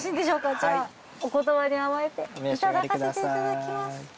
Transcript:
じゃあお言葉に甘えていただかせていただきます。